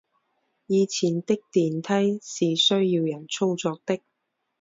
以前的电梯是需要人操作的。